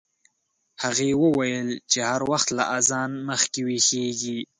هغې وویل چې هر وخت له اذان مخکې ویښیږي.